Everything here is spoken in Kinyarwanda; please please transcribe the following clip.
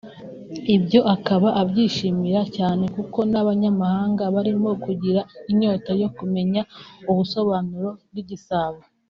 Ibyo akaba abyishimira cyane kuko n'abanyamahanga barimo kugira inyota yo kumenya ubusobanuro bw'igisabo